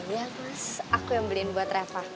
iya mas aku yang beliin buat reva